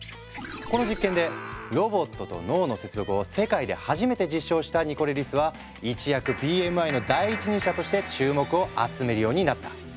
この実験でロボットと脳の接続を世界で初めて実証したニコレリスは一躍ＢＭＩの第一人者として注目を集めるようになった。